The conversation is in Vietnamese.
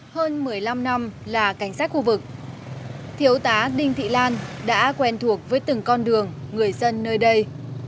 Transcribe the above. hơn một mươi năm năm là cảnh sát khu vực thiếu tá đinh thị lan đã quen thuộc với từng con đường người dân nơi đây